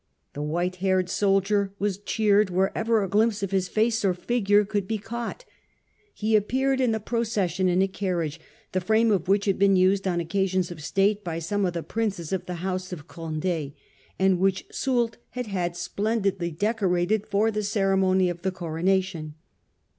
The white haired soldier was cheered wherever a glimpse of his face or figure could he caught. He appeared in the procession in a carriage, the frame of which had been used on occasions of state by some of the princes of the House of Conde, and which Soult had had splendidly decorated for the ceremony of the coro nation.